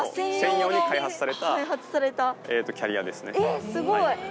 えっすごい。